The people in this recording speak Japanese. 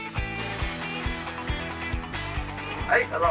はいどうぞ！